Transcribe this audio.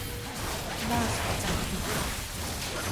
หน้าสะใจดี